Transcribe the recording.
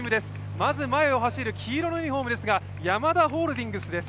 まず前を走る黄色のユニフォームですが、ヤマダホールディングスです。